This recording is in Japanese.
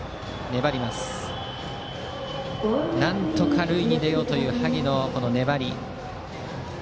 なんとか塁に出ようという萩の粘り。